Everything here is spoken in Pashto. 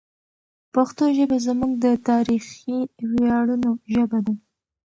پښتو ژبه زموږ د تاریخي ویاړونو ژبه ده.